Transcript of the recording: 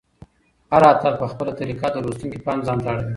هر اتل په خپله طریقه د لوستونکي پام ځانته اړوي.